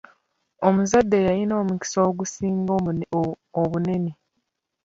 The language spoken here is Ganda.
Omuzadde y'alina omukisa ogusinga obunene.